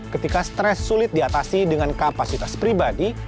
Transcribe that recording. ketika stres sulit diatasi dengan kapasitas pribadi